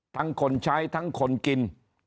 ทั้งคนใช้ทั้งคนกินทั้งคนที่สูดดมเข้าไป